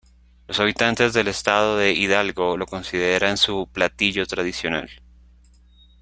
Los habitantes del estado de Hidalgo lo consideran su platillo tradicional.